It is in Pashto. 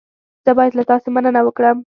زه باید له تاسې مننه وکړم.